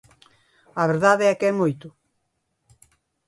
A verdade é que moito.